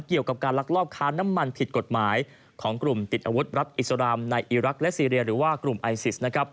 เกี่ยวกับการลักลอบค้าน้ำมันผิดกฎหมายของกลุ่มติดอาวุธรัฐอิสรามในอีรักษ์และซีเรียหรือว่ากลุ่มไอซิสนะครับ